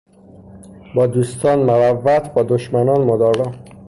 با دوستان مروّت با دشمنان مدارا